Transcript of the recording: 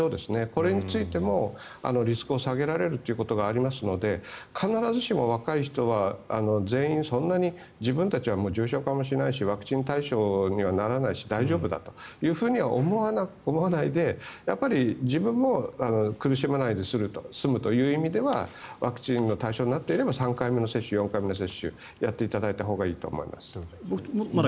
これについてもリスクを下げられるということがありますので必ずしも若い人は全員自分たちはそんなに重症化もしないしワクチン対象にはならないし大丈夫だとは思わないで、自分も苦しまないで済むという意味ではワクチンの対象になっていれば３回目の接種、４回目の接種をやっていただいたほうがいいと思います。